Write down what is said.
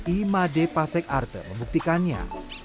ima depasek arte membuktikannya